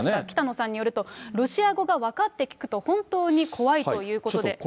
北野さんによると、ロシア語が分かって聞くと本当に怖いということで。